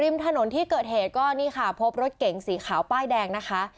ถนนที่เกิดเหตุก็นี่ค่ะพบรถเก๋งสีขาวป้ายแดงนะคะ